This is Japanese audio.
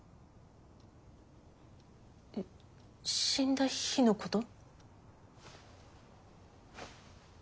死んだ日のこと？